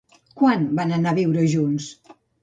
Quan van anar a viure junts?